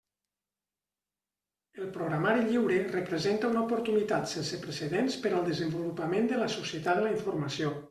El programari lliure representa una oportunitat sense precedents per al desenvolupament de la societat de la informació.